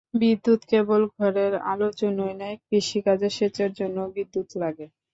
বিদ্যুৎ কেবল ঘরের আলোর জন্যই নয়, কৃষিকাজে সেচের জন্যও বিদ্যুৎ লাগে।